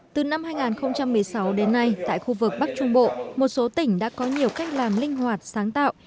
từ năm hai nghìn một mươi sáu đến nay tại khu vực bắc trung bộ một số tỉnh đã có nhiều cách làm linh hoạt sáng tạo